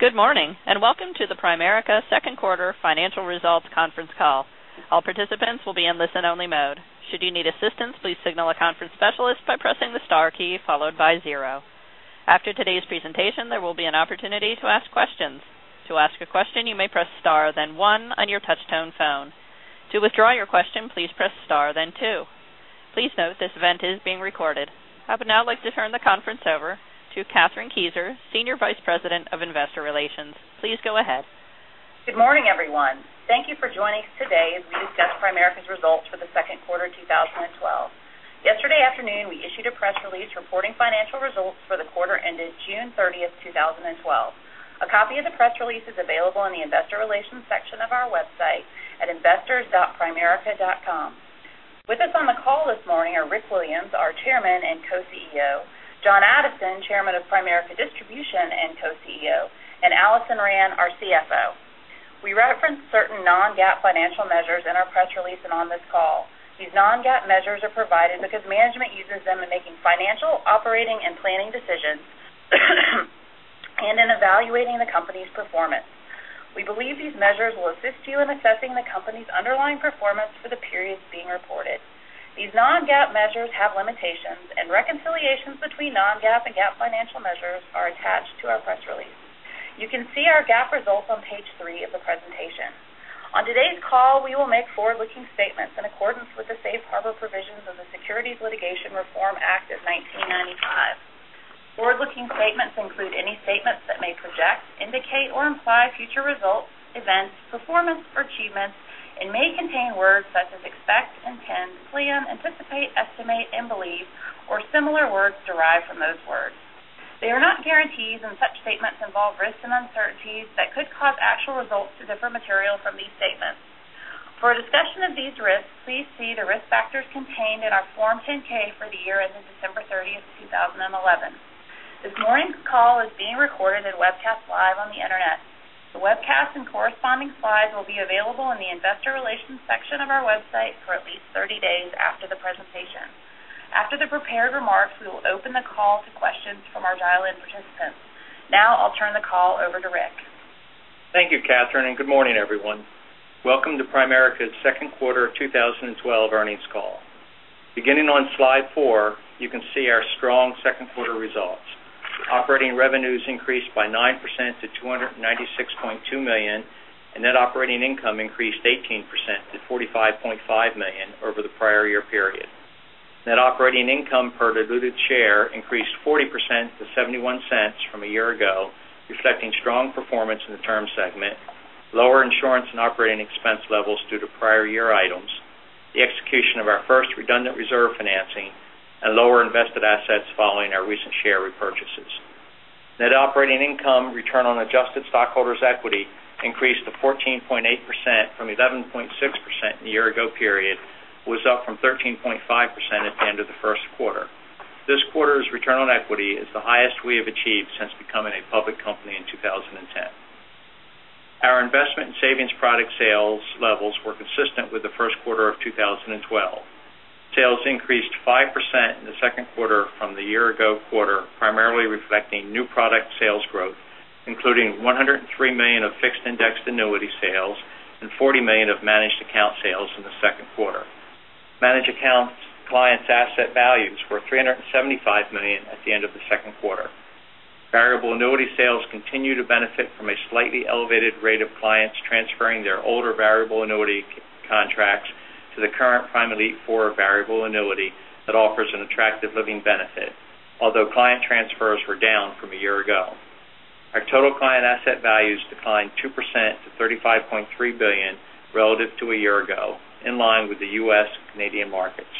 Good morning, welcome to the Primerica second quarter financial results conference call. All participants will be in listen only mode. Should you need assistance, please signal a conference specialist by pressing the star key followed by zero. After today's presentation, there will be an opportunity to ask questions. To ask a question, you may press star then one on your touchtone phone. To withdraw your question, please press star then two. Please note this event is being recorded. I would now like to turn the conference over to Kathryn Kieser, Senior Vice President of Investor Relations. Please go ahead. Good morning, everyone. Thank you for joining us today as we discuss Primerica's results for the second quarter of 2012. Yesterday afternoon, we issued a press release reporting financial results for the quarter ended June 30th, 2012. A copy of the press release is available in the investor relations section of our website at investors.primerica.com. With us on the call this morning are Rick Williams, our Chairman and Co-Chief Executive Officer, John Addison, Chairman of Primerica Distribution and Co-Chief Executive Officer, and Alison Rand, our Chief Financial Officer. We reference certain non-GAAP financial measures in our press release and on this call. These non-GAAP measures are provided because management uses them in making financial, operating, and planning decisions and in evaluating the company's performance. We believe these measures will assist you in assessing the company's underlying performance for the periods being reported. These non-GAAP measures have limitations, reconciliations between non-GAAP and GAAP financial measures are attached to our press release. You can see our GAAP results on page three of the presentation. On today's call, we will make forward-looking statements in accordance with the safe harbor provisions of the Securities Litigation Reform Act of 1995. Forward-looking statements include any statements that may project, indicate, or imply future results, events, performance, or achievements and may contain words such as expect, intend, plan, anticipate, estimate, and believe, or similar words derived from those words. They are not guarantees, such statements involve risks and uncertainties that could cause actual results to differ materially from these statements. For a discussion of these risks, please see the risk factors contained in our Form 10-K for the year ending December 30th, 2011. This morning's call is being recorded and webcast live on the Internet. The webcast and corresponding slides will be available in the investor relations section of our website for at least 30 days after the presentation. After the prepared remarks, we will open the call to questions from our dial-in participants. I'll turn the call over to Rick. Thank you, Kathryn, and good morning, everyone. Welcome to Primerica's second quarter of 2012 earnings call. Beginning on slide four, you can see our strong second quarter results. Operating revenues increased by 9% to $296.2 million, net operating income increased 18% to $45.5 million over the prior year period. Net operating income per diluted share increased 40% to $0.71 from a year ago, reflecting strong performance in the term segment, lower insurance and operating expense levels due to prior year items, the execution of our first redundant reserve financing, and lower invested assets following our recent share repurchases. Net operating income return on adjusted stockholders' equity increased to 14.8% from 11.6% in the year-ago period, was up from 13.5% at the end of the first quarter. This quarter's return on equity is the highest we have achieved since becoming a public company in 2010. Our investment and savings product sales levels were consistent with the first quarter of 2012. Sales increased 5% in the second quarter from the year-ago quarter, primarily reflecting new product sales growth, including $103 million of fixed indexed annuity sales and $40 million of managed account sales in the second quarter. Managed accounts clients' asset values were $375 million at the end of the second quarter. Variable annuity sales continue to benefit from a slightly elevated rate of clients transferring their older variable annuity contracts to the current Prime Elite Four variable annuity that offers an attractive living benefit. Although client transfers were down from a year ago. Our total client asset values declined 2% to $35.3 billion relative to a year ago, in line with the U.S. Canadian markets.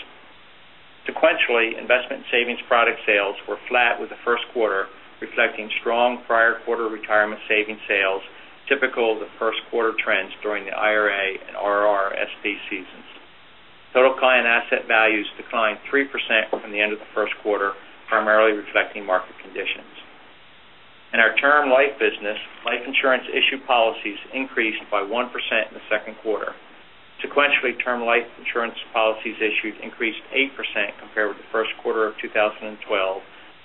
Sequentially, investment savings product sales were flat with the first quarter, reflecting strong prior quarter retirement savings sales, typical of the first quarter trends during the IRA and RRSP seasons. Total client asset values declined 3% from the end of the first quarter, primarily reflecting market conditions. In our term life business, life insurance issued policies increased by 1% in the second quarter. Sequentially, term life insurance policies issued increased 8% compared with the first quarter of 2012,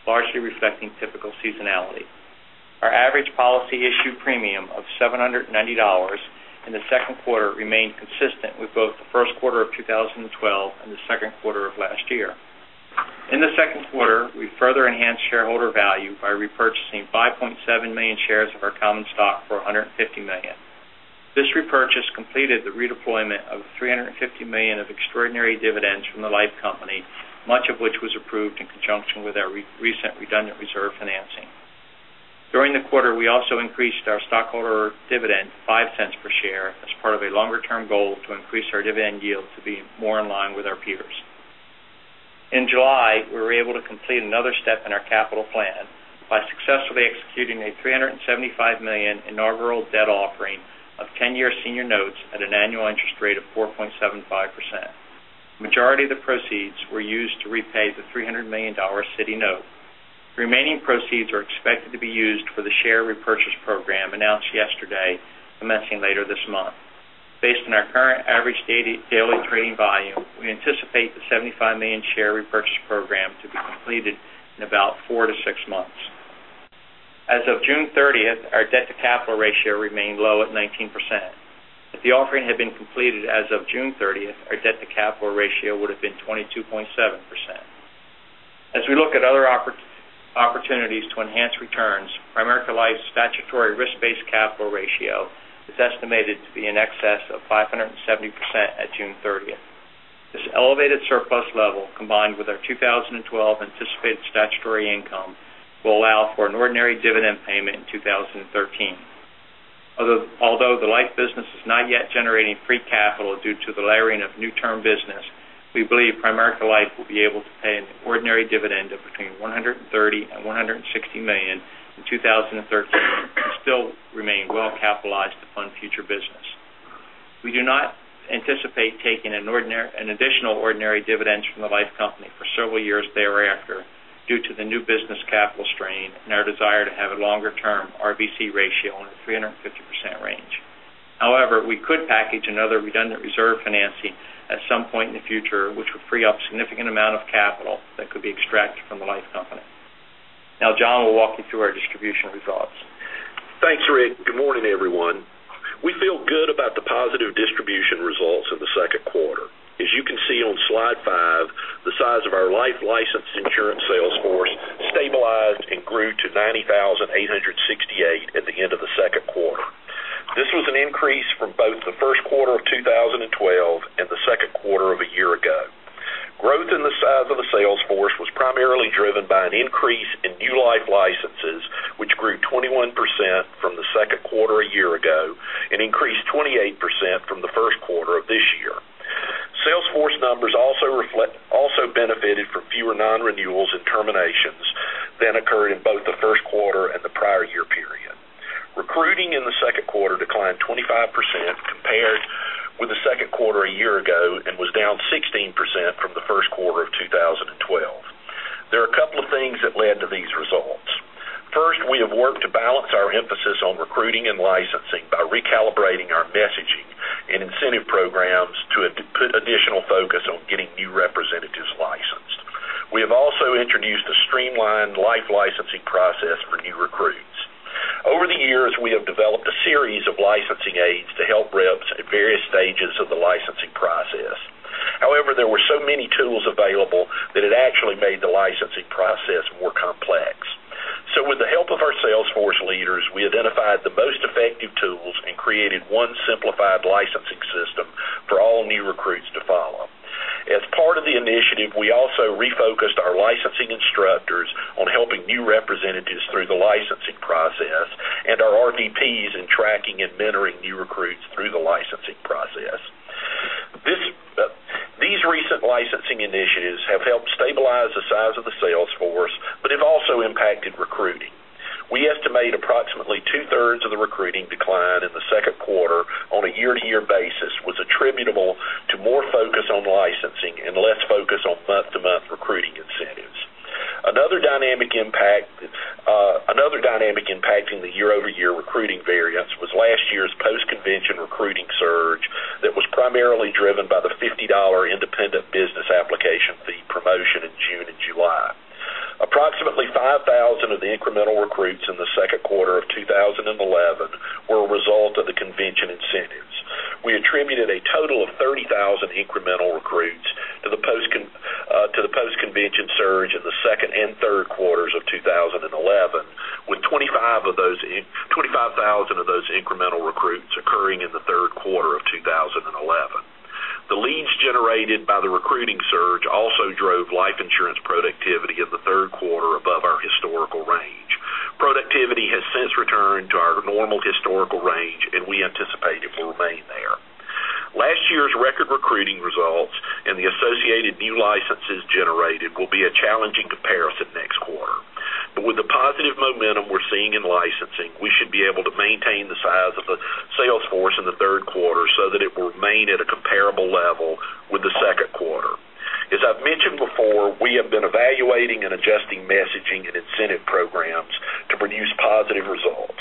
largely reflecting typical seasonality. Our average policy issue premium of $790 in the second quarter remained consistent with both the first quarter of 2012 and the second quarter of last year. In the second quarter, we further enhanced shareholder value by repurchasing 5.7 million shares of our common stock for $150 million. This repurchase completed the redeployment of $350 million of extraordinary dividends from the life company, much of which was approved in conjunction with our recent redundant reserve financing. During the quarter, we also increased our stockholder dividend $0.05 per share as part of a longer-term goal to increase our dividend yield to be more in line with our peers. In July, we were able to complete another step in our capital plan by successfully executing a $375 million inaugural debt offering of 10-year senior notes at an annual interest rate of 4.75%. Majority of the proceeds were used to repay the $300 million Citi note. Remaining proceeds are expected to be used for the share repurchase program announced yesterday, commencing later this month. Based on our current average daily trading volume, we anticipate the $75 million share repurchase program to be completed in about four to six months. As of June 30th, our debt-to-capital ratio remained low at 19%. If the offering had been completed as of June 30th, our debt-to-capital ratio would have been 22.7%. As we look at other opportunities to enhance returns, Primerica Life's statutory risk-based capital ratio is estimated to be in excess of 570% at June 30th. This elevated surplus level, combined with our 2012 anticipated statutory income, will allow for an ordinary dividend payment in 2013. Although the Life business is not yet generating free capital due to the layering of new term business, we believe Primerica Life will be able to pay an ordinary dividend of between $130 and $160 million in 2013 and still remain well-capitalized to fund future business. We do not anticipate taking an additional ordinary dividends from the Life company for several years thereafter due to the new business capital strain and our desire to have a longer-term RBC ratio in the 350% range. However, we could package another redundant reserve financing at some point in the future, which would free up a significant amount of capital that could be extracted from the Life company. Now John will walk you through our distribution results. Thanks, Rick. Good morning, everyone. We feel good about the positive distribution results of the second quarter. As you can see on slide five, the size of our life license insurance sales force stabilized and grew to 90,868 at the end of the second quarter. This was an increase from both the first quarter of 2012 and the second quarter of a year ago. Growth in the size of the sales force was primarily driven by an increase in new life licenses, which grew 21% from the second quarter a year ago and increased 28% from the first quarter of this year. Sales force numbers also benefited from fewer non-renewals and terminations than occurred in both the first quarter and the prior year period. Recruiting in the second quarter declined 25% compared with the second quarter a year ago and was down 16% from the first quarter of 2012. There are a couple of things that led to these results. First, we have worked to balance our emphasis on recruiting and licensing by recalibrating our messaging and incentive programs to put additional focus on getting new representatives licensed. We have also introduced a streamlined life licensing process for new recruits. Over the years, we have developed a series of licensing aids to help reps at various stages of the licensing process. However, there were so many tools available that it actually made the licensing process more complex. With the help of our sales force leaders, we identified the most effective tools and created one simplified licensing system for all new recruits to follow. As part of the initiative, we also refocused our licensing instructors on helping new representatives through the licensing process and our RVPs in tracking and mentoring new recruits through the licensing process. These recent licensing initiatives have helped stabilize the size of the sales force but have also impacted recruiting. We estimate approximately two-thirds of the recruiting decline in the second quarter on a year-to-year basis was attributable to more focus on licensing and less focus on month-to-month recruiting incentives. Another dynamic impacting the year-over-year recruiting variance was last year's post-convention recruiting surge that was primarily driven by the $50 Independent Business Application fee promotion in June and July. Approximately 5,000 of the incremental recruits in the second quarter of 2011 were a result of the convention incentives. We attributed a total of 30,000 incremental recruits to the post-convention surge in the second and third quarters of 2011, with 25,000 of those incremental recruits occurring in the third quarter of 2011. The leads generated by the recruiting surge also drove life insurance productivity in the third quarter above our historical range. Productivity has since returned to our normal historical range. We anticipate it will remain there. Last year's record recruiting results and the associated new licenses generated will be a challenging comparison next quarter. With the positive momentum we're seeing in licensing, we should be able to maintain the size of the sales force in the third quarter so that it will remain at a comparable level with the second quarter. As I've mentioned before, we have been evaluating and adjusting messaging and incentive programs to produce positive results.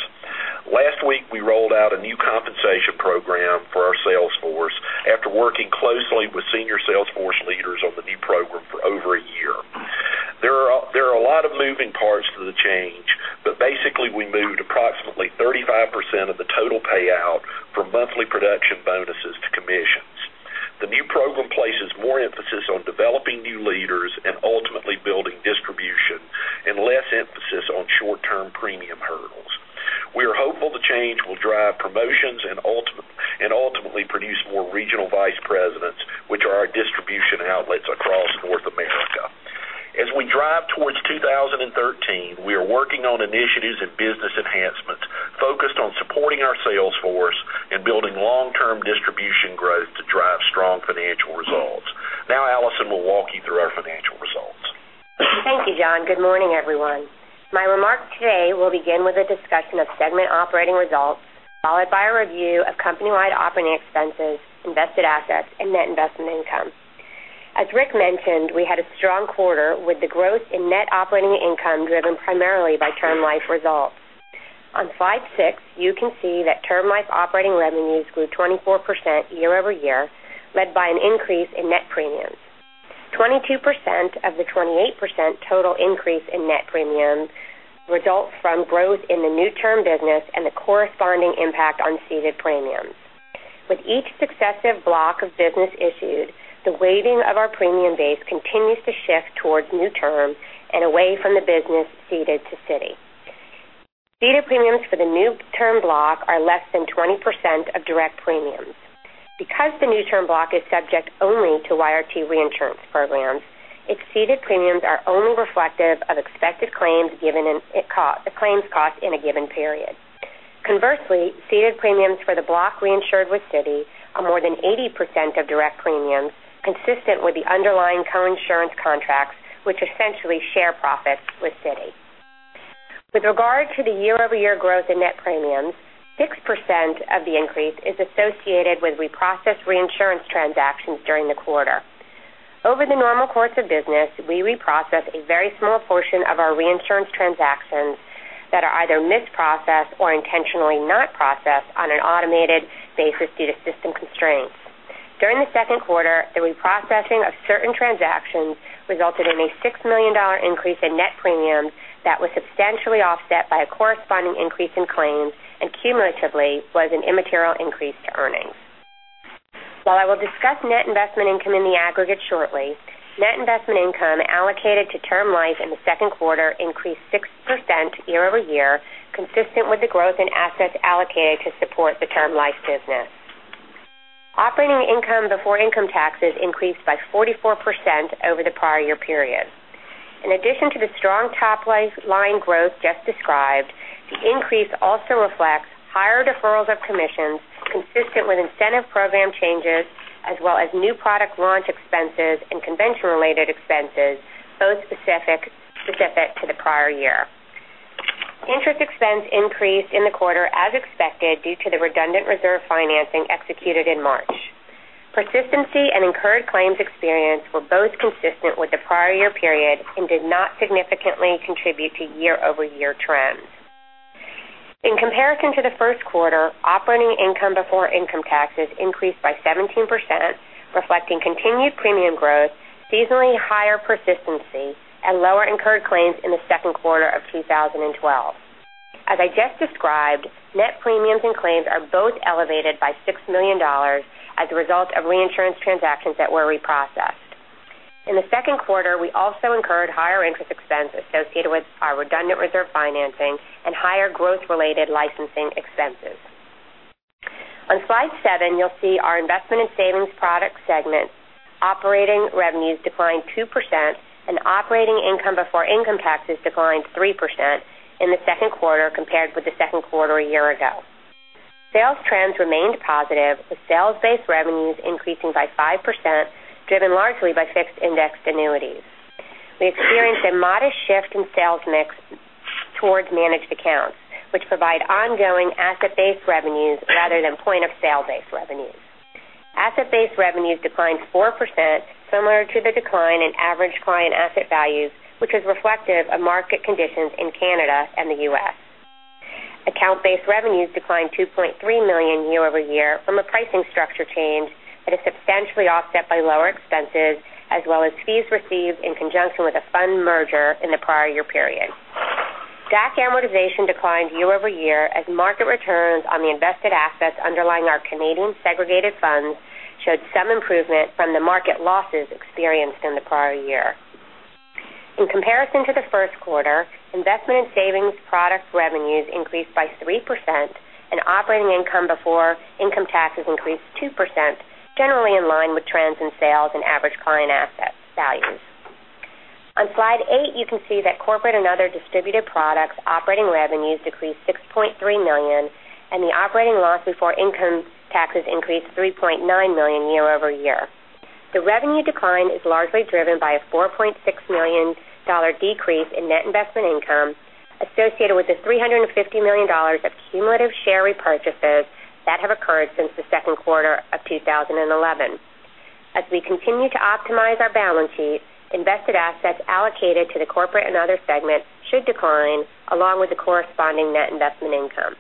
Last week, we rolled out a new compensation program for our sales force after working closely with senior sales force leaders on the new program for over a year. There are a lot of moving parts to the change, but basically, we moved approximately 35% of the total payout from monthly production bonuses to commissions. The new program places more emphasis on developing new leaders and ultimately building distribution and less emphasis on short-term premium hurdles. We are hopeful the change will drive promotions and ultimately produce more Regional Vice Presidents, which are our distribution outlets across North America. As we drive towards 2013, we are working on initiatives and business enhancements focused on supporting our sales force and building long-term distribution growth to drive strong financial results. Alison will walk you through our financial results. Thank you, John. Good morning, everyone. My remarks today will begin with a discussion of segment operating results, followed by a review of company-wide operating expenses, invested assets, and net investment income. As Rick mentioned, we had a strong quarter with the growth in net operating income driven primarily by term life results. On slide six, you can see that term life operating revenues grew 24% year-over-year, led by an increase in net premiums. 22% of the 28% total increase in net premiums results from growth in the new term business and the corresponding impact on ceded premiums. With each successive block of business issued, the weighting of our premium base continues to shift towards new term and away from the business ceded to Citi. Ceded premiums for the new term block are less than 20% of direct premiums. Because the new term block is subject only to YRT reinsurance programs, its ceded premiums are only reflective of expected claims cost in a given period. Conversely, ceded premiums for the block reinsured with Citi are more than 80% of direct premiums, consistent with the underlying coinsurance contracts, which essentially share profits with Citi. With regard to the year-over-year growth in net premiums, 6% of the increase is associated with reprocessed reinsurance transactions during the quarter. Over the normal course of business, we reprocess a very small portion of our reinsurance transactions that are either misprocessed or intentionally not processed on an automated basis due to system constraints. During the second quarter, the reprocessing of certain transactions resulted in a $6 million increase in net premiums that was substantially offset by a corresponding increase in claims, and cumulatively, was an immaterial increase to earnings. While I will discuss net investment income in the aggregate shortly, net investment income allocated to term life in the second quarter increased 6% year-over-year, consistent with the growth in assets allocated to support the term life business. Operating income before income taxes increased by 44% over the prior year period. In addition to the strong top-line growth just described, the increase also reflects higher deferrals of commissions consistent with incentive program changes, as well as new product launch expenses and convention-related expenses, both specific to the prior year. Interest expense increased in the quarter as expected due to the redundant reserve financing executed in March. Persistency and incurred claims experience were both consistent with the prior year period and did not significantly contribute to year-over-year trends. In comparison to the first quarter, operating income before income taxes increased by 17%, reflecting continued premium growth, seasonally higher persistency, and lower incurred claims in the second quarter of 2012. As I just described, net premiums and claims are both elevated by $6 million as a result of reinsurance transactions that were reprocessed. In the second quarter, we also incurred higher interest expense associated with our redundant reserve financing and higher growth-related licensing expenses. On slide seven, you'll see our investment and savings product segment operating revenues declined 2% and operating income before income taxes declined 3% in the second quarter compared with the second quarter a year ago. Sales trends remained positive, with sales-based revenues increasing by 5%, driven largely by fixed indexed annuities. We experienced a modest shift in sales mix towards managed accounts, which provide ongoing asset-based revenues rather than point-of-sale-based revenues. Asset-based revenues declined 4%, similar to the decline in average client asset values, which is reflective of market conditions in Canada and the U.S. Account-based revenues declined to $2.3 million year-over-year from a pricing structure change that is substantially offset by lower expenses as well as fees received in conjunction with a fund merger in the prior year period. DAC amortization declined year-over-year as market returns on the invested assets underlying our Canadian segregated funds showed some improvement from the market losses experienced in the prior year. In comparison to the first quarter, investment and savings product revenues increased by 3% and operating income before income taxes increased 2%, generally in line with trends in sales and average client asset values. On slide eight, you can see that corporate and other distributor products operating revenues decreased $6.3 million and the operating loss before income taxes increased $3.9 million year-over-year. The revenue decline is largely driven by a $4.6 million decrease in net investment income associated with the $350 million of cumulative share repurchases that have occurred since the second quarter of 2011. As we continue to optimize our balance sheet, invested assets allocated to the corporate and other segments should decline along with the corresponding net investment income.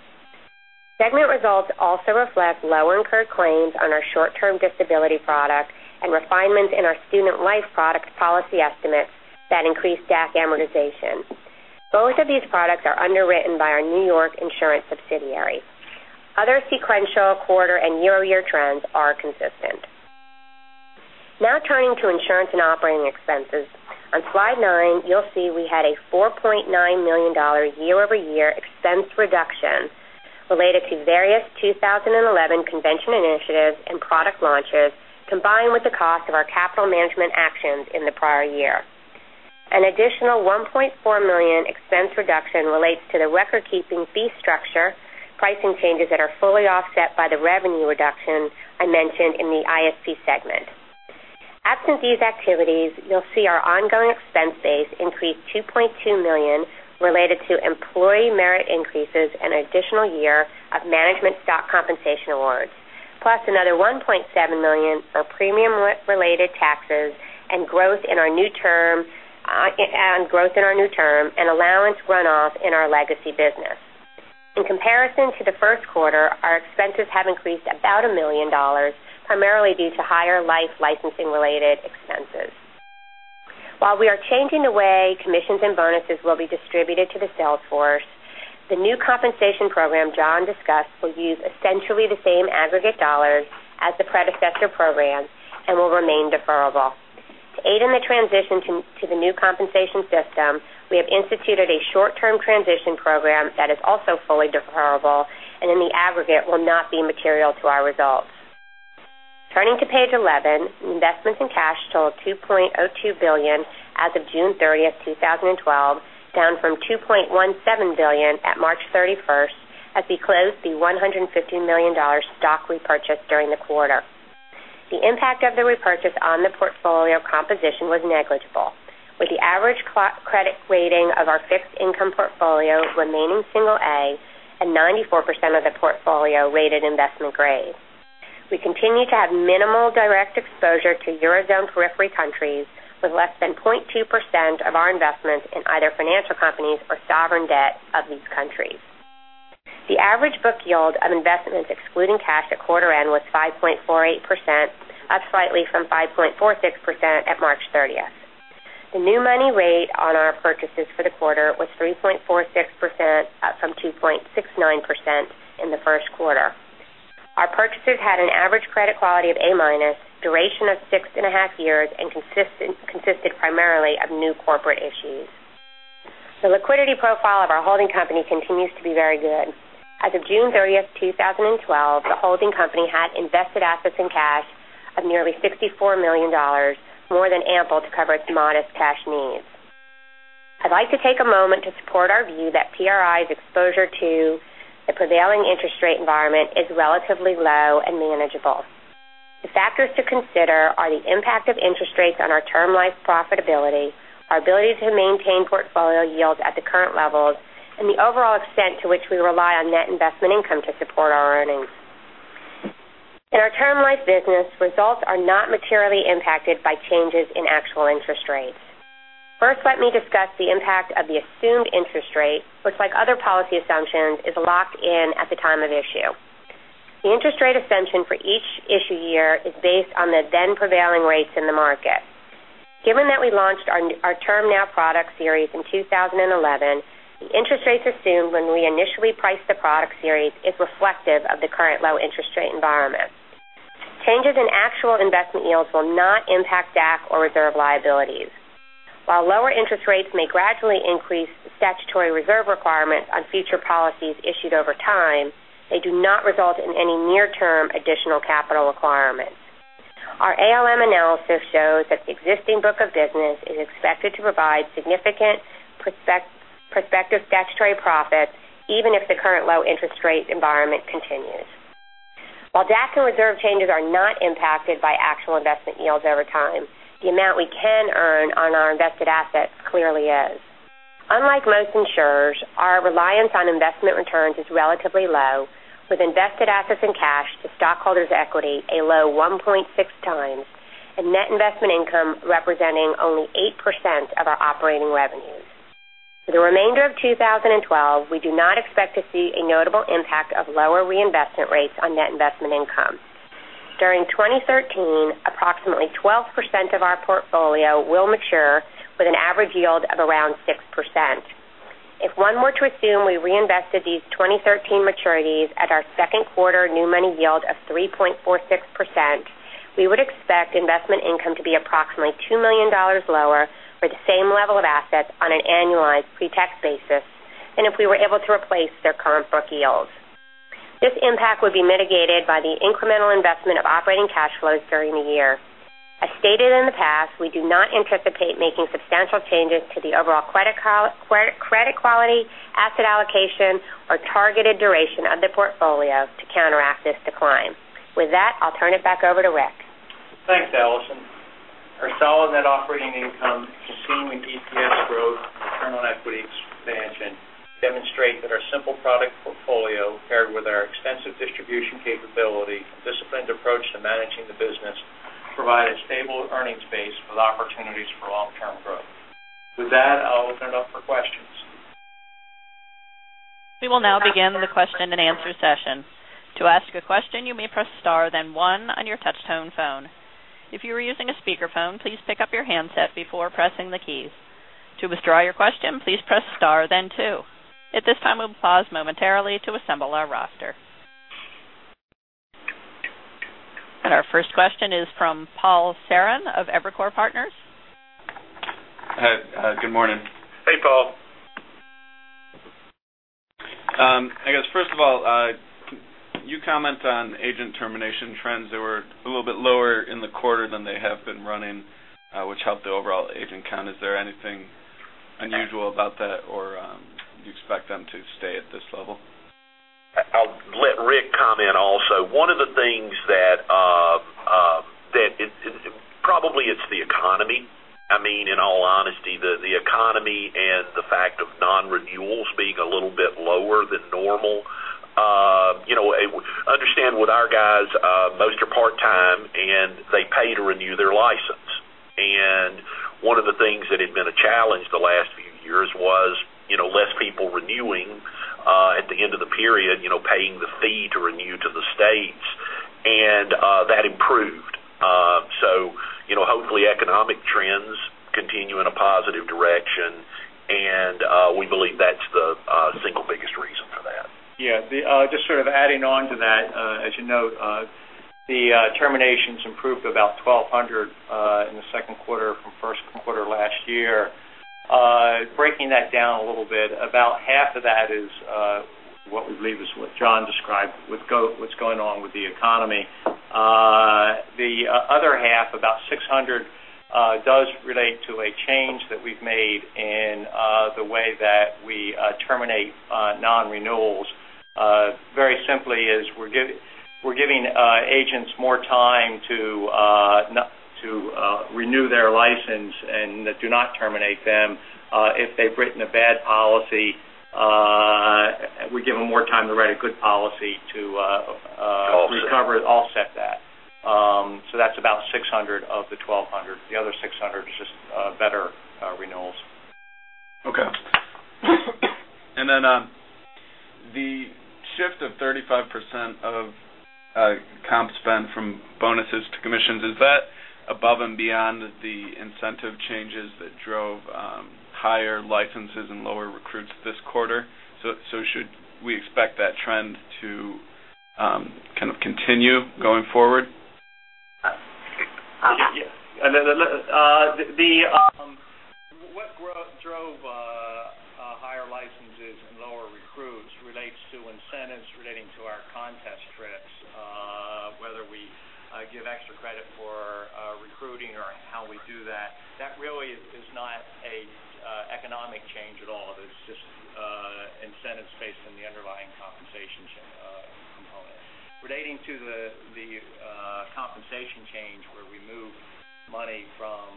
Segment results also reflect low incurred claims on our short-term disability product and refinements in our student life product policy estimates that increase DAC amortization. Both of these products are underwritten by our New York insurance subsidiary. Other sequential quarter and year-over-year trends are consistent. Now turning to insurance and operating expenses. On slide nine, you'll see we had a $4.9 million year-over-year expense reduction related to various 2011 convention initiatives and product launches, combined with the cost of our capital management actions in the prior year. An additional $1.4 million expense reduction relates to the record-keeping fee structure, pricing changes that are fully offset by the revenue reduction I mentioned in the ISP segment. Absent these activities, you'll see our ongoing expense base increase $2.2 million related to employee merit increases and an additional year of management stock compensation awards. Plus another $1.7 million for premium-related taxes and growth in our new term and allowance run-off in our legacy business. In comparison to the first quarter, our expenses have increased about $1 million, primarily due to higher life licensing related expenses. While we are changing the way commissions and bonuses will be distributed to the sales force, the new compensation program John discussed will use essentially the same aggregate dollars as the predecessor program and will remain deferrable. To aid in the transition to the new compensation system, we have instituted a short-term transition program that is also fully deferrable and in the aggregate will not be material to our results. Turning to page 11, investments and cash total $2.02 billion as of June 30th, 2012, down from $2.17 billion at March 31st as we closed the $150 million stock repurchase during the quarter. The impact of the repurchase on the portfolio composition was negligible, with the average credit rating of our fixed income portfolio remaining single A and 94% of the portfolio rated investment grade. We continue to have minimal direct exposure to Eurozone periphery countries with less than 0.2% of our investments in either financial companies or sovereign debt of these countries. The average book yield of investments excluding cash at quarter end was 5.48%, up slightly from 5.46% at March 30th. The new money rate on our purchases for the quarter was 3.46%, up from 2.69% in the first quarter. Our purchasers had an average credit quality of A minus, duration of six and a half years, and consisted primarily of new corporate issues. The liquidity profile of our holding company continues to be very good. As of June 30th, 2012, the holding company had invested assets and cash of nearly $64 million, more than ample to cover its modest cash needs. I'd like to take a moment to support our view that PRI's exposure to the prevailing interest rate environment is relatively low and manageable. The factors to consider are the impact of interest rates on our term life profitability, our ability to maintain portfolio yields at the current levels, and the overall extent to which we rely on net investment income to support our earnings. In our term life business, results are not materially impacted by changes in actual interest rates. First, let me discuss the impact of the assumed interest rate, which like other policy assumptions, is locked in at the time of issue. The interest rate assumption for each issue year is based on the then prevailing rates in the market. Given that we launched our TermNow product series in 2011, the interest rates assumed when we initially priced the product series is reflective of the current low interest rate environment. Changes in actual investment yields will not impact DAC or reserve liabilities. While lower interest rates may gradually increase the statutory reserve requirement on future policies issued over time, they do not result in any near-term additional capital requirements. Our ALM analysis shows that the existing book of business is expected to provide significant prospective statutory profits even if the current low interest rate environment continues. While DAC and reserve changes are not impacted by actual investment yields over time, the amount we can earn on our invested assets clearly is. Unlike most insurers, our reliance on investment returns is relatively low, with invested assets and cash to stockholders' equity a low 1.6 times and net investment income representing only 8% of our operating revenues. For the remainder of 2012, we do not expect to see a notable impact of lower reinvestment rates on net investment income. During 2013, approximately 12% of our portfolio will mature with an average yield of around 6%. If one were to assume we reinvested these 2013 maturities at our second quarter new money yield of 3.46%, we would expect investment income to be approximately $2 million lower for the same level of assets on an annualized pre-tax basis than if we were able to replace their current book yields. This impact would be mitigated by the incremental investment of operating cash flows during the year. As stated in the past, we do not anticipate making substantial changes to the overall credit quality, asset allocation, or targeted duration of the portfolio to counteract this decline. With that, I'll turn it back over to Rick. Thanks, Alison. Our solid net operating income, continuing EPS growth, and internal equity expansion demonstrate that our simple product portfolio, paired with our extensive distribution capability and disciplined approach to managing the business, provide a stable earnings base with opportunities for long-term growth. With that, I'll open it up for questions. We will now begin the question and answer session. To ask a question, you may press star, then one on your touchtone phone. If you are using a speakerphone, please pick up your handset before pressing the keys. To withdraw your question, please press star, then two. At this time, we'll pause momentarily to assemble our roster. Our first question is from Paul Sarran of Evercore Partners. Good morning. Hey, Paul. I guess first of all, you comment on agent termination trends that were a little bit lower in the quarter than they have been running, which helped the overall agent count. Is there anything unusual about that, or do you expect them to stay at this level? I'll let Rick comment also. One of the things that, probably it's the economy. I mean, in all honesty, the economy and the fact of non-renewals being a little bit lower than normal. With our guys, most are part-time, and they pay to renew their license. One of the things that had been a challenge the last few years was less people renewing at the end of the period, paying the fee to renew to the states. That improved. Hopefully economic trends continue in a positive direction, and we believe that's the single biggest reason for that. Yeah. Just sort of adding on to that, as you note, the terminations improved about 1,200 in the second quarter from first quarter last year. Breaking that down a little bit, about half of that is what we believe is what John described, what's going on with the economy. The other half, about 600, does relate to a change that we've made in the way that we terminate non-renewals. Very simply, is we're giving agents more time to renew their license and do not terminate them. If they've written a bad policy, we give them more time to write a good policy to- recover, offset that. That's about $600 of the $1,200. The other $600 is just better renewals. Okay. The shift of 35% of comp spend from bonuses to commissions, is that above and beyond the incentive changes that drove higher licenses and lower recruits this quarter? Should we expect that trend to kind of continue going forward? Yeah. What drove higher licenses and lower recruits relates to incentives relating to our contest trips, whether we give extra credit for recruiting or how we do that. That really is not an economic change at all. There's just incentives based on the underlying compensation component. Relating to the compensation change, where we move money from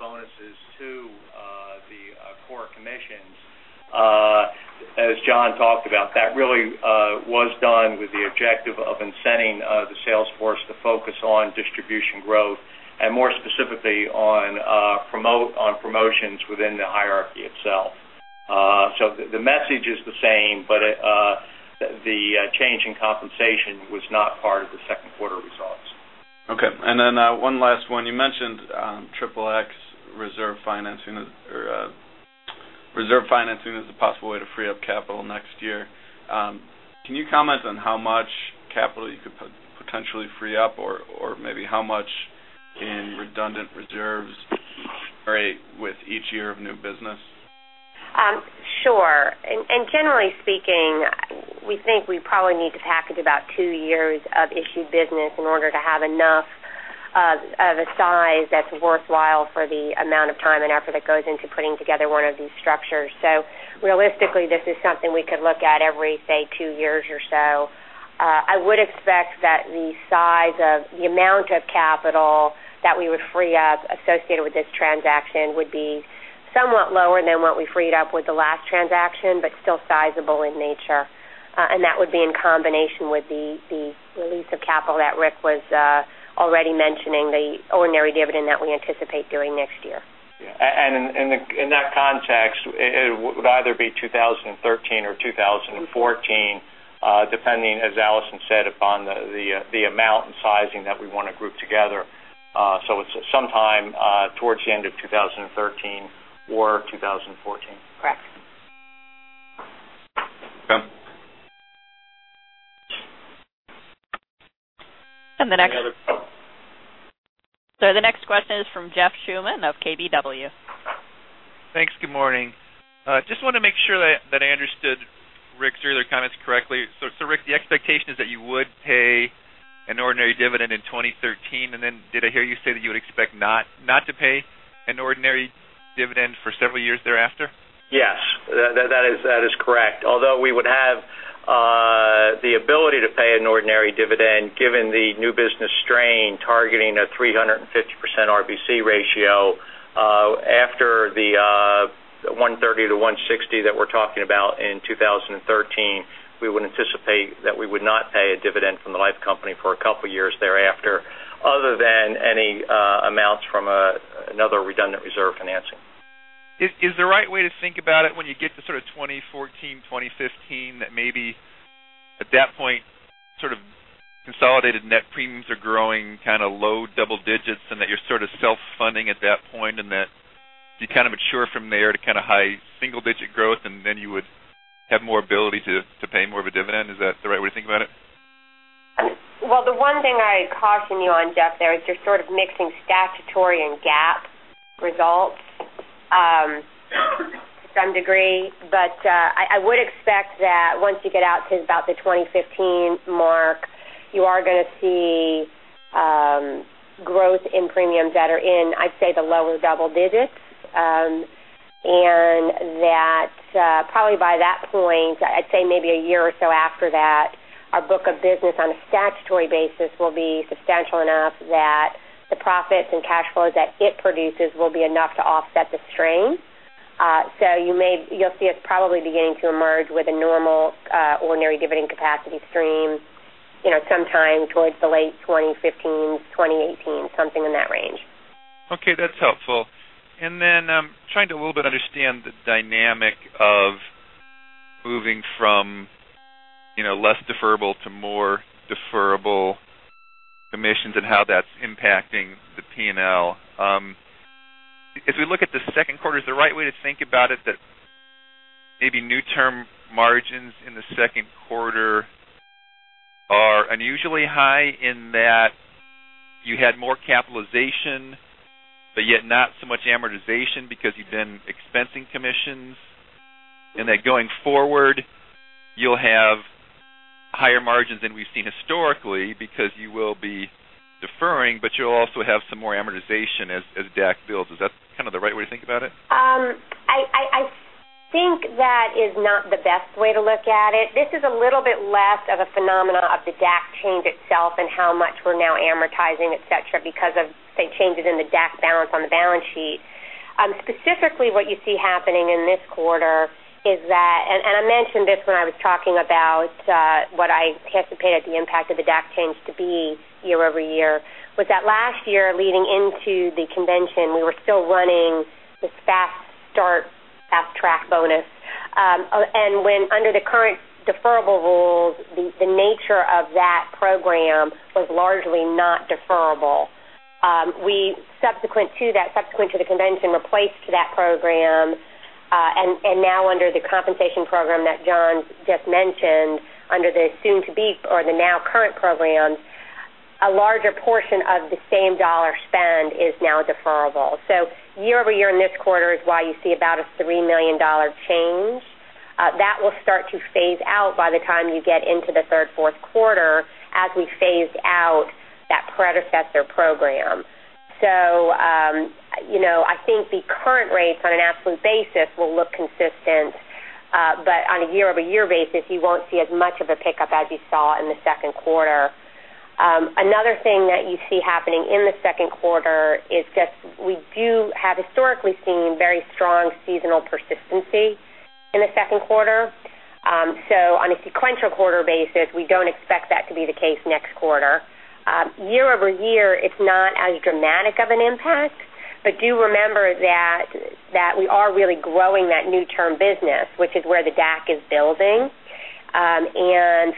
bonuses to the core commissions, as John talked about, that really was done with the objective of incenting the sales force to focus on distribution growth and more specifically on promotions within the hierarchy itself. The message is the same, but the change in compensation was not part of the second quarter results. Okay. One last one. You mentioned Regulation XXX reserve financing as a possible way to free up capital next year. Can you comment on how much capital you could potentially free up, or maybe how much in redundant reserves with each year of new business? Generally speaking, we think we probably need to package about two years of issued business in order to have enough of a size that's worthwhile for the amount of time and effort that goes into putting together one of these structures. Realistically, this is something we could look at every, say, two years or so. I would expect that the size of the amount of capital that we would free up associated with this transaction would be somewhat lower than what we freed up with the last transaction, but still sizable in nature. That would be in combination with the release of capital that Rick was already mentioning, the ordinary dividend that we anticipate doing next year. Yeah. In that context, it would either be 2013 or 2014, depending, as Alison said, upon the amount and sizing that we want to group together. It's sometime towards the end of 2013 or 2014. Correct. Okay. The next- Any other- The next question is from Jeff Schuman of KBW. Thanks. Good morning. Just want to make sure that I understood Rick's earlier comments correctly. Rick, the expectation is that you would pay an ordinary dividend in 2013, and then did I hear you say that you would expect not to pay an ordinary dividend for several years thereafter? Yes, that is correct. Although we would have the ability to pay an ordinary dividend, given the new business strain targeting a 350% RBC ratio after the 130%-160% that we're talking about in 2013, we would anticipate that we would not pay a dividend from the life company for a couple of years thereafter, other than any amounts from another redundant reserve financing. Is the right way to think about it when you get to sort of 2014, 2015, that maybe at that point, sort of consolidated net premiums are growing kind of low double digits, and that you're sort of self-funding at that point, and that you kind of mature from there to kind of high single digit growth, and then you would have more ability to pay more of a dividend? Is that the right way to think about it? Well, the one thing I'd caution you on, Jeff, there is you're sort of mixing statutory and GAAP results to some degree. I would expect that once you get out to about the 2015 mark, you are going to see growth in premiums that are in, I'd say, the lower double digits. That probably by that point, I'd say maybe a year or so after that, our book of business on a statutory basis will be substantial enough that the profits and cash flows that it produces will be enough to offset the strain. You'll see us probably beginning to emerge with a normal ordinary dividend capacity stream sometime towards the late 2015, 2018, something in that range. Okay, that's helpful. Then I'm trying to a little bit understand the dynamic of moving from less deferrable to more deferrable commissions and how that's impacting the P&L. If we look at the second quarter, is the right way to think about it that maybe new term margins in the second quarter are unusually high in that you had more capitalization, but yet not so much amortization because you've been expensing commissions, and that going forward, you'll have higher margins than we've seen historically because you will be deferring, but you'll also have some more amortization as DAC builds. Is that kind of the right way to think about it? I think that is not the best way to look at it. This is a little bit less of a phenomenon of the DAC change itself and how much we're now amortizing, et cetera, because of, say, changes in the DAC balance on the balance sheet. Specifically, what you see happening in this quarter is that, and I mentioned this when I was talking about what I anticipate the impact of the DAC change to be year-over-year, was that last year, leading into the convention, we were still running this Fast Start, Fast Track bonus. When under the current deferrable rules, the nature of that program was largely not deferrable. We, subsequent to that, subsequent to the convention, replaced that program. Now under the compensation program that John just mentioned, under the soon to be or the now current program, a larger portion of the same dollar spend is now deferrable. Year-over-year in this quarter is why you see about a $3 million change. That will start to phase out by the time you get into the third, fourth quarter as we phased out that predecessor program. I think the current rates on an absolute basis will look consistent, but on a year-over-year basis, you won't see as much of a pickup as you saw in the second quarter. Another thing that you see happening in the second quarter is just we do have historically seen very strong seasonal persistency in the second quarter. On a sequential quarter basis, we don't expect that to be the case next quarter. Year-over-year, it's not as dramatic of an impact, but do remember that we are really growing that new term business, which is where the DAC is building.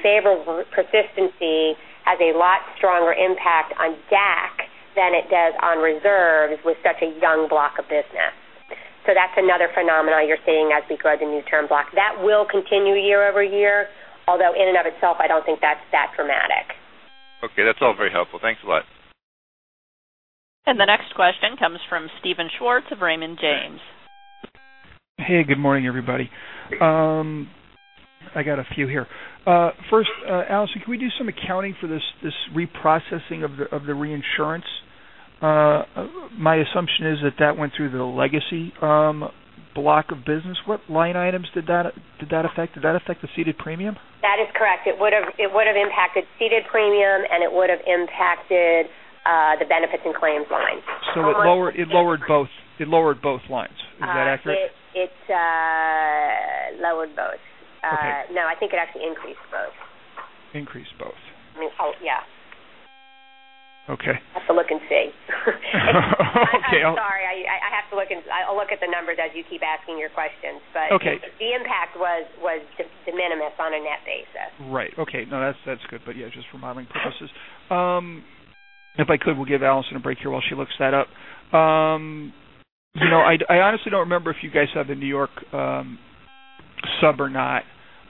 Favorable persistency has a lot stronger impact on DAC than it does on reserves with such a young block of business. That's another phenomenon you're seeing as we grow the new term block. That will continue year-over-year, although in and of itself, I don't think that's that dramatic. That's all very helpful. Thanks a lot. The next question comes from Steven Schwartz of Raymond James. Hey, good morning, everybody. I got a few here. First, Ally, can we do some accounting for this reprocessing of the reinsurance? My assumption is that that went through the legacy block of business. What line items did that affect? Did that affect the ceded premium? That is correct. It would have impacted ceded premium, and it would have impacted the benefits and claims lines. It lowered both lines. Is that accurate? It lowered both. Okay. No, I think it actually increased both. Increased both. I mean, yeah. Okay. I have to look and see. Okay, I'll. I'm sorry, I have to look and I'll look at the numbers as you keep asking your questions, but. Okay The impact was de minimis on a net basis. Right. Okay. No, that's good. Yeah, just for modeling purposes. If I could, we'll give Alison a break here while she looks that up. I honestly don't remember if you guys have the New York sub or not.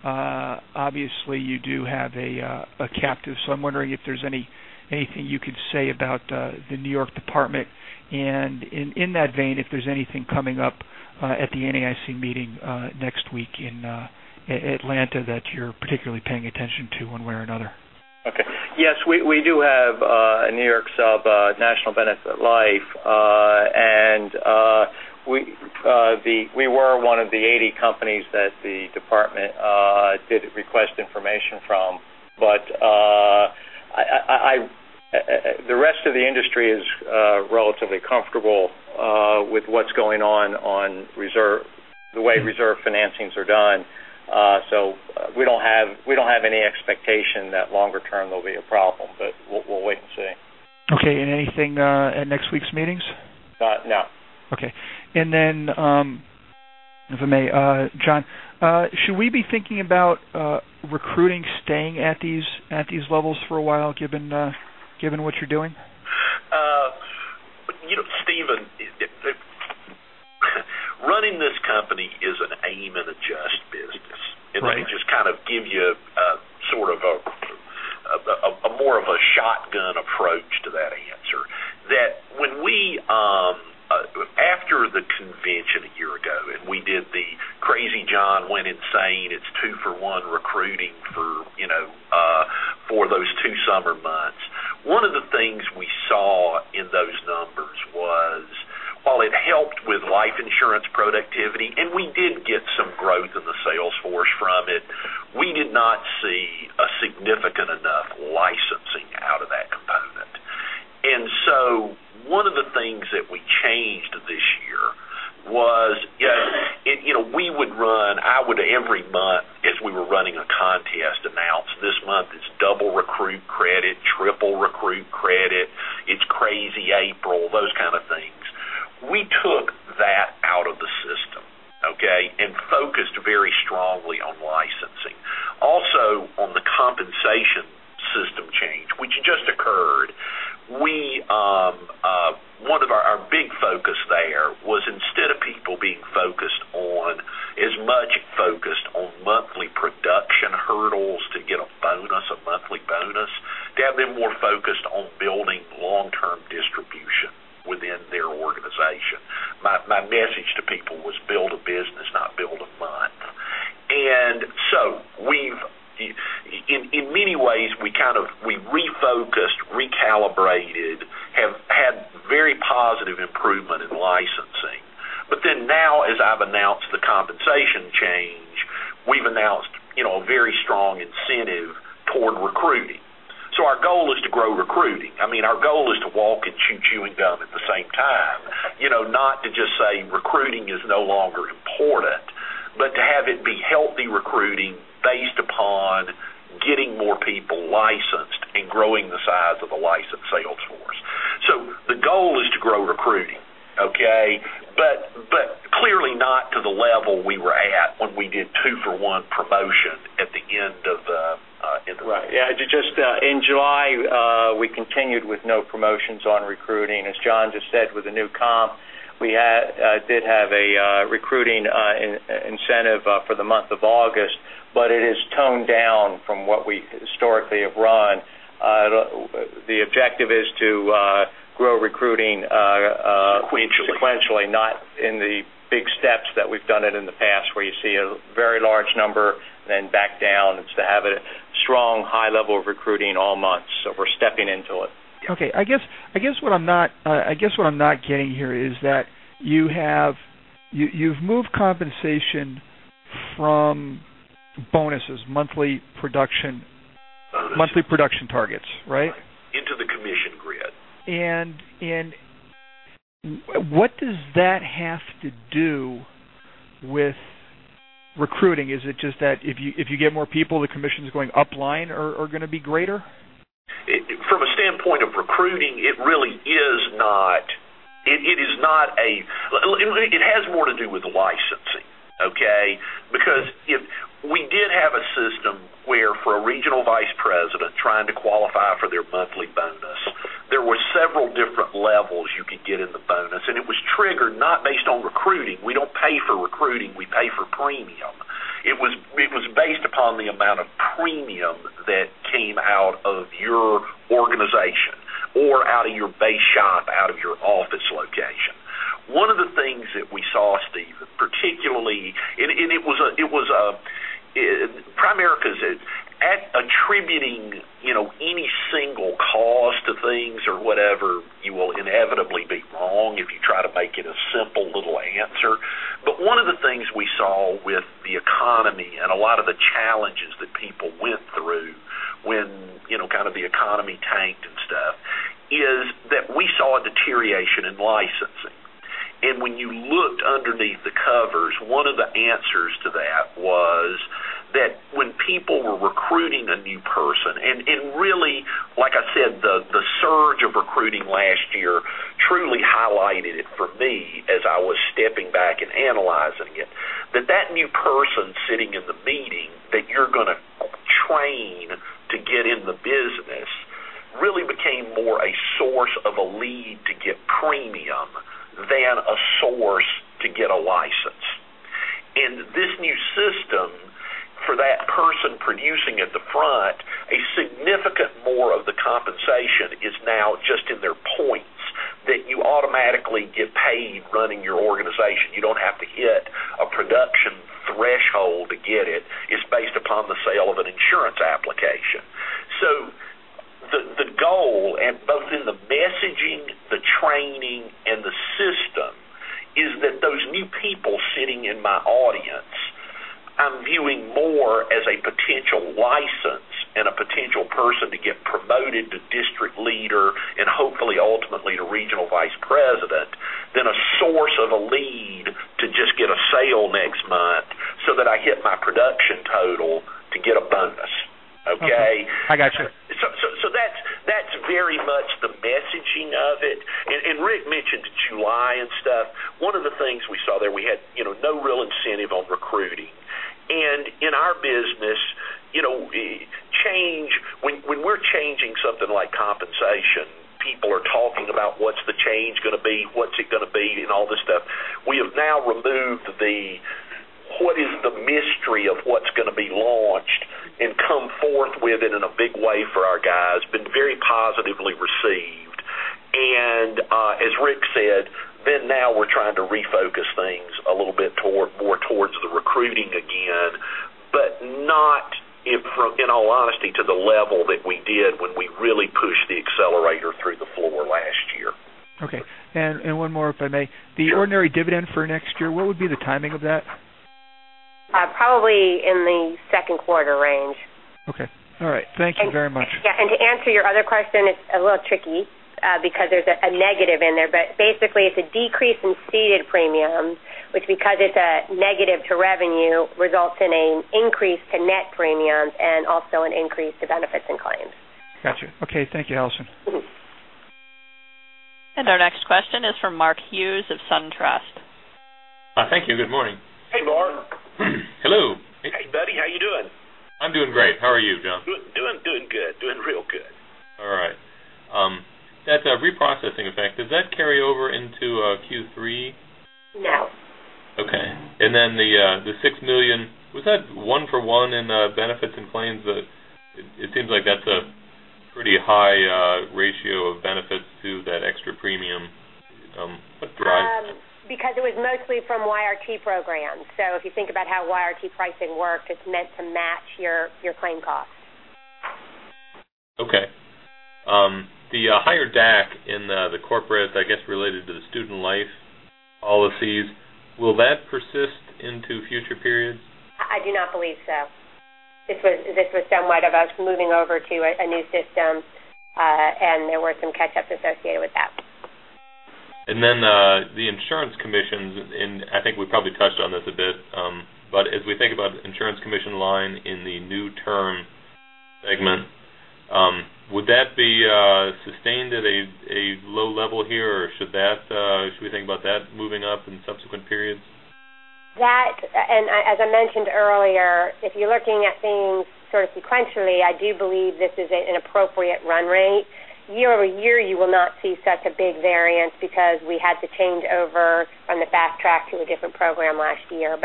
Obviously, you do have a captive. I'm wondering if there's anything you could say about the New York Department and in that vein, if there's anything coming up at the NAIC meeting next week in Atlanta that you're particularly paying attention to one way or another. Okay. Yes, we do have a New York sub, National Benefit Life. We were one of the 80 companies that the department did request information from. The rest of the industry is relatively comfortable with what's going on reserve, the way reserve financings are done. We don't have any expectation that longer term there'll be a problem, but we'll wait and see. Okay. Anything at next week's meetings? No. Okay. If I may, John, should we be thinking about recruiting staying at these levels for a while, given what you're doing? Steven, running this company is an aim and adjust business. Right. Let me just kind of give you a sort of a more of a shotgun approach to that answer. That when we, after the convention a year ago, and we did the crazy John went insane, it's two for one recruiting for those two summer months. One of the things we saw in those numbers was while it helped with life insurance productivity, and we did get some growth in the sales force from it, we did not see a significant enough license. One of the things that we changed this year was, we would run, I would every month as we were running a contest announce this month it's double recruit credit, triple recruit credit, it's crazy April, those kind of things. We took that out of the system, okay, and focused very strongly on licensing. On the compensation system change, which just occurred, one of our big focus there was instead of people being focused on as much focused on monthly production hurdles to get a bonus, a monthly bonus, to have them more focused on building long-term distribution within their organization. My message to people was build a business, not build a month. In many ways, we refocused, recalibrated, have had very positive improvement in licensing. Now, as I've announced the compensation change, we've announced a very strong incentive toward recruiting. Our goal is to grow recruiting. Our goal is to walk and chew chewing gum at the same time. Not to just say recruiting is no longer important, but to have it be healthy recruiting based upon getting more people licensed and growing the size of a licensed sales force. The goal is to grow recruiting, okay? Clearly not to the level we were at when we did two-for-one promotion at the end of the- Right. Yeah, just in July, we continued with no promotions on recruiting. As John just said, with the new comp, we did have a recruiting incentive for the month of August, but it is toned down from what we historically have run. The objective is to grow recruiting- Sequentially sequentially, not in the big steps that we've done it in the past, where you see a very large number, then back down. It's to have a strong high level of recruiting all months. We're stepping into it. Okay. I guess what I'm not getting here is that you've moved compensation from bonuses, monthly production- Bonus monthly production targets, right? Into the commission grid. What does that have to do with recruiting? Is it just that if you get more people, the commissions going upline are going to be greater? From a standpoint of recruiting, it has more to do with licensing, okay? Because we did have a system where for a Regional Vice President trying to qualify for their monthly bonus, there were several different levels you could get in the bonus, and it was triggered not based on recruiting. We don't pay for recruiting, we pay for premium. It was based upon the amount of premium that came out of your organization or out of your base shop, out of your office location. One of the things that we saw, Steve, and Primerica is attributing any single cause to things or whatever, you will inevitably be wrong if you try to make it a simple little answer. One of the things we saw with the economy and a lot of the challenges that people went through when the economy tanked and stuff, is that we saw a deterioration in licensing. When you looked underneath the covers, one of the answers to that was that when people were recruiting a new person, and really, like I said, the surge of recruiting last year truly highlighted it for me as I was stepping back and analyzing it, that that new person sitting in the meeting that you're going to train to get in the business really became more a source of a lead to get premium than a source to get a license. This new system, for that person producing at the front, a significant more of the compensation is now just in their points that you automatically get paid running your organization. You don't have to hit a production threshold to get it. The goal, both in the messaging, the training, and the system, is that those new people sitting in my audience, I'm viewing more as a potential license and a potential person to get promoted to district leader, and hopefully, ultimately, to Regional Vice President, than a source of a lead to just get a sale next month so that I hit my production total to get a bonus. Okay? I got you. That's very much the messaging of it. Rick mentioned July and stuff. One of the things we saw there, we had no real incentive on recruiting. In our business, when we're changing something like compensation, people are talking about what's the change going to be, what's it going to be, and all this stuff. We have now removed the what is the mystery of what's going to be launched and come forth with it in a big way for our guys. It has been very positively received. As Rick said, now we're trying to refocus things a little bit more towards the recruiting again, but not in all honesty, to the level that we did when we really pushed the accelerator through the floor last year. Okay. One more, if I may. Sure. The ordinary dividend for next year, what would be the timing of that? Probably in the second quarter range. Okay. All right. Thank you very much. Yeah, to answer your other question, it's a little tricky because there's a negative in there, but basically it's a decrease in ceded premium, which because it's a negative to revenue, results in an increase to net premiums and also an increase to benefits and claims. Got you. Okay. Thank you, Alison. Our next question is from Mark Hughes of SunTrust. Thank you. Good morning. Hey, Mark. Hello. Hey, buddy. How you doing? I'm doing great. How are you, John? Doing good. Doing real good. All right. That reprocessing effect, does that carry over into Q3? No. Okay. Then the $6 million, was that one for one in benefits and claims? It seems like that's a pretty high ratio of benefits to that extra premium. What drives that? It was mostly from YRT programs. If you think about how YRT pricing worked, it's meant to match your claim costs. Okay. The higher DAC in the corporate, I guess, related to the student life policies, will that persist into future periods? I do not believe so. This was somewhat of us moving over to a new system, there were some catch-ups associated with that. The insurance commissions, I think we probably touched on this a bit. As we think about insurance commission line in the new term segment, would that be sustained at a low level here, or should we think about that moving up in subsequent periods? That, as I mentioned earlier, if you're looking at things sort of sequentially, I do believe this is an appropriate run rate. Year-over-year, you will not see such a big variance because we had to change over from the Fast Track to a different program last year.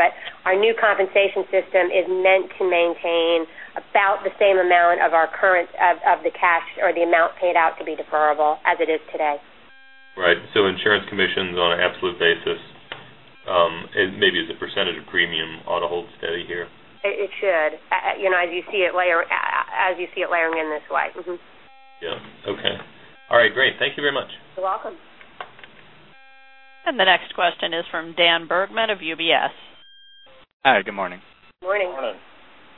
Our new compensation system is meant to maintain about the same amount of the cash or the amount paid out to be deferrable as it is today. Right. Insurance commissions on an absolute basis, and maybe as a % of premium ought to hold steady here. It should. As you see it layering in this way. Yeah. Okay. All right, great. Thank you very much. You're welcome. The next question is from Daniel Bergman of UBS. Hi, good morning. Morning. Morning.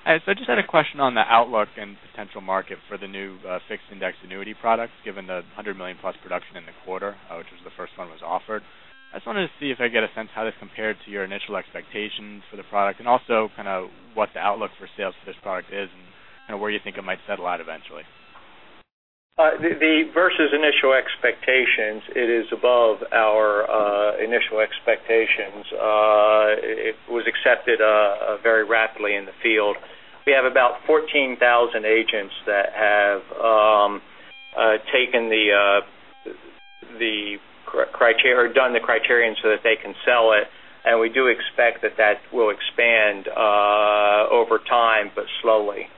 I just had a question on the outlook and potential market for the new fixed indexed annuity products, given the $100 million-plus production in the quarter, which was the first one was offered. I just wanted to see if I get a sense how this compared to your initial expectations for the product, and also kind of what the outlook for sales for this product is, and where you think it might settle out eventually. The versus initial expectations, it is above our initial expectations. It was accepted very rapidly in the field. We have about 14,000 agents that have taken the criteria or done the criterion so that they can sell it. We do expect that that will expand over time, but slowly.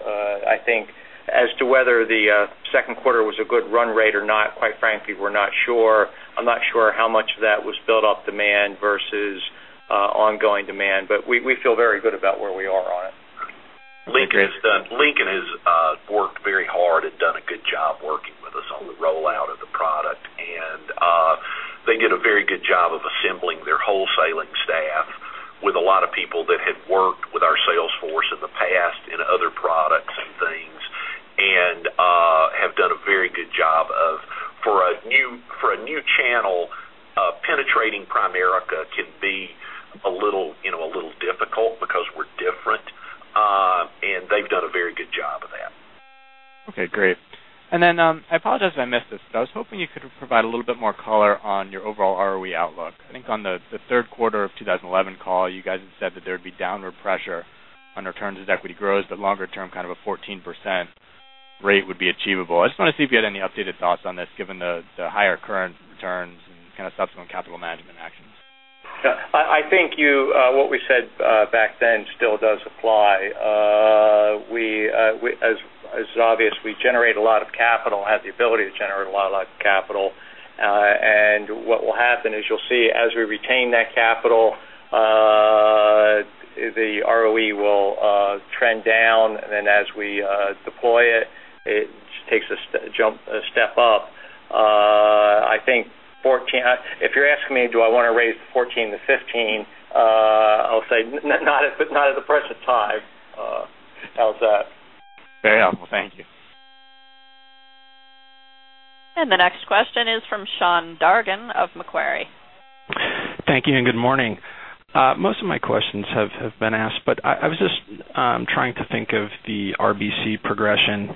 I think as to whether the second quarter was a good run rate or not, quite frankly, we're not sure. I'm not sure how much of that was built-up demand versus ongoing demand. We feel very good about where we are on it. Lincoln has worked very hard and done a good job working with us on the rollout of the product, and they did a very good job of assembling their wholesaling staff with a lot of people that had worked with our sales force in the past in other products and things. Have done a very good job of, for a new channel, penetrating Primerica can be a little difficult because we're different. They've done a very good job of that. Okay, great. Then, I apologize if I missed this, but I was hoping you could provide a little bit more color on your overall ROE outlook. I think on the third quarter of 2011 call, you guys had said that there would be downward pressure on returns as equity grows, but longer term, kind of a 14% rate would be achievable. I just want to see if you had any updated thoughts on this given the higher current returns and kind of subsequent capital management actions. I think what we said back then still does apply. As is obvious, we generate a lot of capital, have the ability to generate a lot of capital. What will happen is you'll see, as we retain that capital, the ROE will trend down. Then as we deploy it takes a step up. I think if you're asking me, do I want to raise 14 to 15, I'll say not at the present time. How's that? Very helpful. Thank you. The next question is from Sean Dargan of Macquarie. Thank you, and good morning. Most of my questions have been asked, but I was just trying to think of the RBC progression.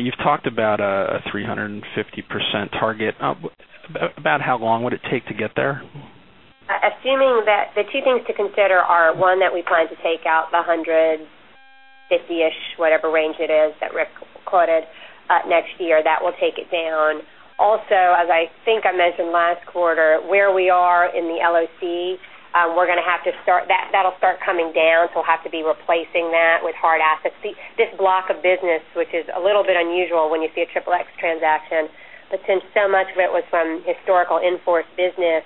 You've talked about a 350% target. About how long would it take to get there? Assuming that the two things to consider are one, that we plan to take out the 150-ish, whatever range it is that Rick quoted, next year. That will take it down. Also, as I think I mentioned last quarter, where we are in the LOC, that'll start coming down, so we'll have to be replacing that with hard assets. This block of business, which is a little bit unusual when you see a Regulation XXX transaction, but since so much of it was from historical in-force business,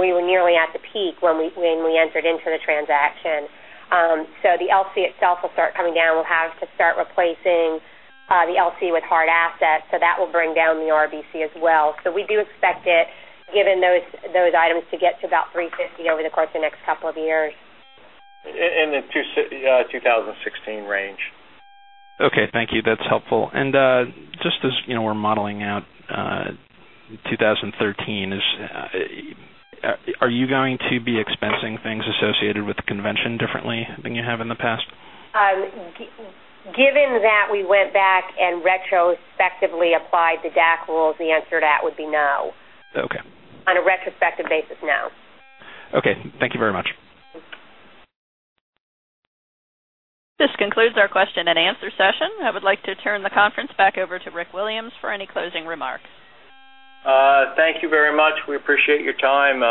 we were nearly at the peak when we entered into the transaction. The LC itself will start coming down. We'll have to start replacing the LC with hard assets, so that will bring down the RBC as well. We do expect it, given those items, to get to about 350 over the course of the next couple of years. In the 2016 range. Okay, thank you. That's helpful. Just as we're modeling out 2013, are you going to be expensing things associated with the convention differently than you have in the past? Given that we went back and retrospectively applied the DAC rules, the answer to that would be no. Okay. On a retrospective basis, no. Okay. Thank you very much. This concludes our question and answer session. I would like to turn the conference back over to Rick Williams for any closing remarks. Thank you very much. We appreciate your time.